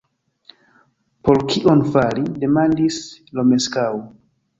Por kion fari? demandis Romeskaŭ.